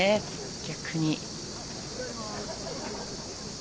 逆に。